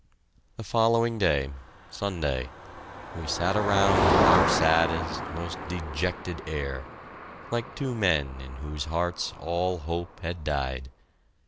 The following day Sunday we sat around with our saddest, most dejected air, like two men in whose hearts all hope had died.